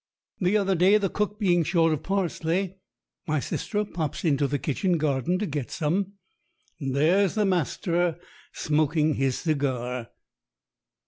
The other day, the cook being short of parsley, my sister pops into the kitchen garden to get some, and there's the master smoking his cigar.